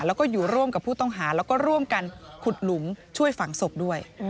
แล้วก็อยู่ร่วมกับผู้ต้องหาแล้วก็ร่วมกันขุดหลุมช่วยฝังศพด้วย